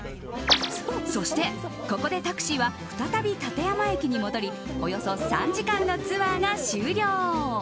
そして、ここでタクシーは再び館山駅に戻りおよそ３時間のツアーが終了。